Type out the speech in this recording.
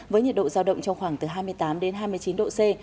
với nhiệt độ giao động trong khoảng từ hai mươi tám hai mươi chín độ c